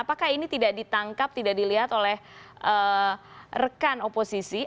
apakah ini tidak ditangkap tidak dilihat oleh rekan oposisi